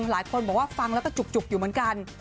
หลายคนบอกว่าฟังแล้วก็จุกอยู่เหมือนกัน